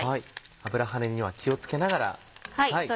油跳ねには気を付けながら。